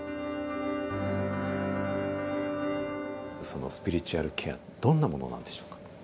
そのスピリチュアルケアどんなものなんでしょうか？